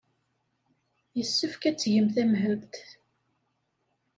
Yessefk ad tgem tamhelt.